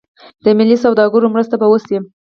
د ملي سوداګرو مرسته به وشي.